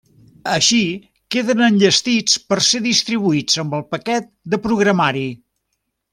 Així, queden enllestits per ser distribuïts amb el paquet de programari.